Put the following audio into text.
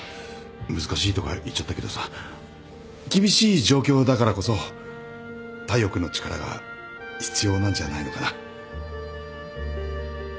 難しいとか言っちゃったけどさ厳しい状況だからこそ大陽君の力が必要なんじゃないのかな。